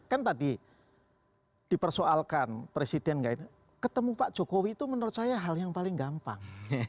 kan tadi dipersoalkan presiden ketemu pak jokowi itu menurut saya hal yang paling gampang